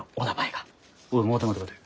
おい待て待て待て。